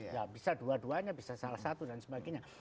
ya bisa dua duanya bisa salah satu dan sebagainya